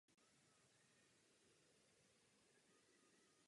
Na straně Ománu stály mimo Velké Británie i Jordánsko s Íránem.